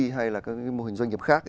hay là các cái mô hình doanh nghiệp khác